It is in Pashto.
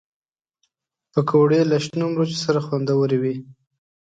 پکورې له شنو مرچو سره خوندورې وي